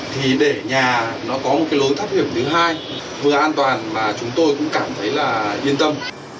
thì để nhà nó có một cái lối thoát hiểm thứ hai vừa an toàn mà chúng tôi cũng cảm thấy là yên tâm